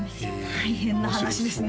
大変な話ですね